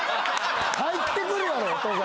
入ってくるやろ音が！